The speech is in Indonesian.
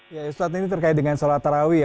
ya ustaz ini terkait dengan sholat tarawih